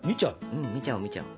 うん見ちゃう見ちゃう。